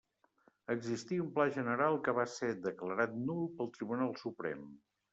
Existia un Pla general que va ser declarat nul pel Tribunal Suprem.